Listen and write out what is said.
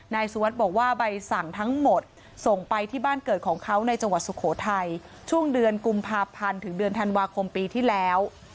นายสุวัสดิ์บอกว่าใบสั่งทั้งหมดส่งไปที่บ้านเกิดของเขาในจังหวัดสุโขทัยช่วงเดือนกุมภาพันธ์ถึงเดือนธันวาคมปีที่แล้ว